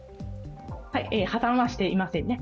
破たんはしていませんね